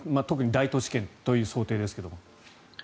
特に大都市圏という想定ですけど。